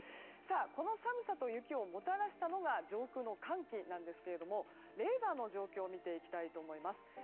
この寒さと雪をもたらしたのが上空の寒気なんですがレーダーの状況見ていきたいと思います。